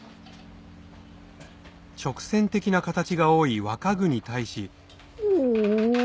直線的な形が多い和家具に対しおぉ！